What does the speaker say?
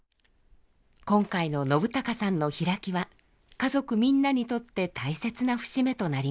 今回の信朗さんの「披き」は家族みんなにとって大切な節目となります。